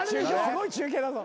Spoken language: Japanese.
すごい中継だぞ。